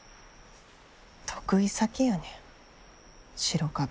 得意先やねん白壁。